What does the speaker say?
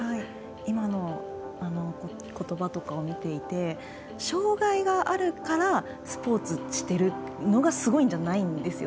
今のことばとかを見ていて障がいがあるからスポーツしてるのがすごいんじゃないんですよ。